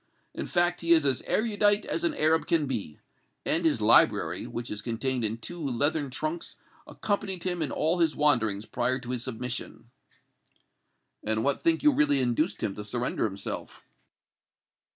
In fact, he is as erudite as an Arab can be, and his library, which is contained in two leathern trunks, accompanied him in all his wanderings prior to his submission." "And what think you really induced him to surrender himself?"